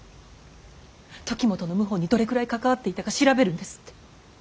時元の謀反にどれくらい関わっていたか調べるんですって。